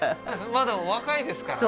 まだお若いですからね